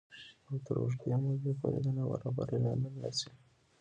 او تر اوږدې مودې پورې د نابرابرۍ لامل نه شي